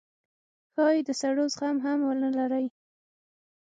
ښايي د سړو زغم هم ونه لرئ